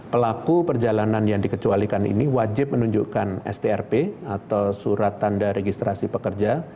pelaku perjalanan yang dikecualikan ini wajib menunjukkan strp atau surat tanda registrasi pekerja